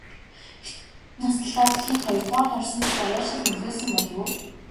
Хятадууд урт наслалтаар дэлхийд хоёрдугаарт орсонд даяаршил нөлөөлсөн болов уу?